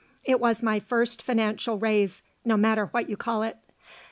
It was my first financial raise, no matter what you call it.